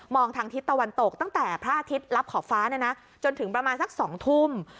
ทางทิศตะวันตกตั้งแต่พระอาทิตย์รับขอบฟ้าเนี่ยนะจนถึงประมาณสัก๒ทุ่ม